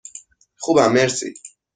خوبم، مرسی.